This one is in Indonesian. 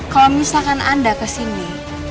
kalau misalkan anda kesini